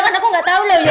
kan aku gak tau lo ya